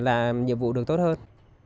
làm nhiệm vụ được tốt hơn